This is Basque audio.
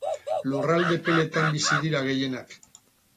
Lurralde epeletan bizi dira gehienak.